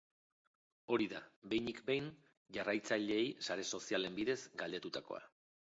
Hori da, behinik behin, jarraitzaileei sare sozialen bidez galdetutakoa.